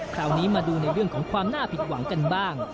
คราวนี้มาดูในเรื่องของความน่าผิดหวังกันบ้าง